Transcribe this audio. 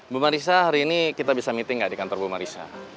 bu marissa hari ini kita bisa meeting ga di kantor bu marissa